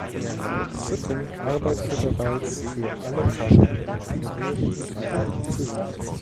Sutton arbeitete bereits für alle Cover ihrer vorherigen drei Alben zusammen.